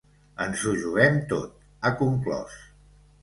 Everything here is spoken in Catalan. Ens ho juguem tot, ha conclòs.